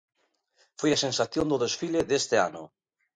Foi a sensación do desfile deste ano.